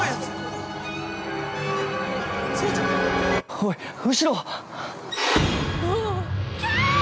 おいっ、後ろ！